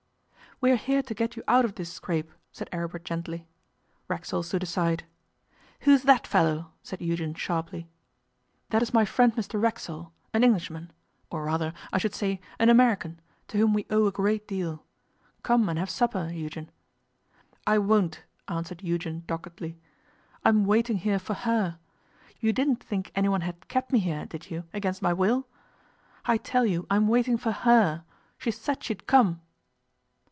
'We are here to get you out of this scrape,' said Aribert gently. Racksole stood aside. 'Who is that fellow?' said Eugen sharply. 'That is my friend Mr Racksole, an Englishman or rather, I should say, an American to whom we owe a great deal. Come and have supper, Eugen.' 'I won't,' answered Eugen doggedly. 'I'm waiting here for her. You didn't think anyone had kept me here, did you, against my will? I tell you I'm waiting for her. She said she'd come.